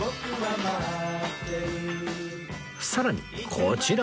さらにこちらも